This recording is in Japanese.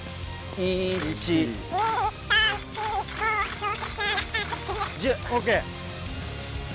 １０。ＯＫ。